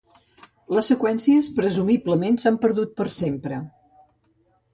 Les seqüències presumiblement s'han perdut per sempre.